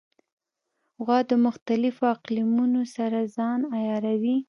غوا د مختلفو اقلیمونو سره ځان عیاروي.